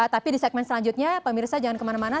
tapi di segmen selanjutnya pemirsa jangan kemana mana